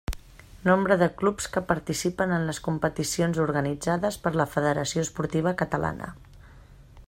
Nombre de clubs que participen en les competicions organitzades per la federació esportiva catalana.